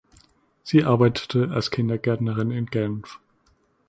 Sie arbeitete als Kindergärtnerin in Genf.